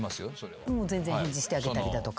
全然返事してあげたりだとか。